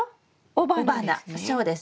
雄花そうです。